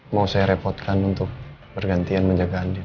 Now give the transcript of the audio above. mau saya repotkan untuk bergantian menjaga andi